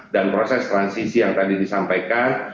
dan proses transisi yang tadi disampaikan